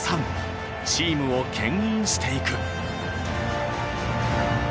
チームをけん引していく。